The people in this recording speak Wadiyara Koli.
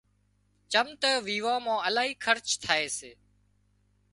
چم تو ويوان مان الاهي خرچ ٿائي سي